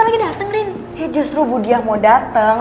ya justru budiak mau datang